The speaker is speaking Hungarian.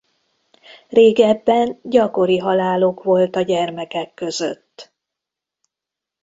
Régebben gyakori halálok volt a gyermekek között.